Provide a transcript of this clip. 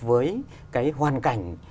với cái hoàn cảnh